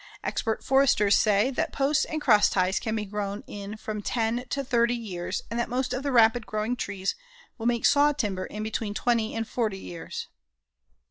Expert foresters say that posts and crossties can be grown in from ten to thirty years and that most of the rapid growing trees will make saw timber in between twenty and forty years.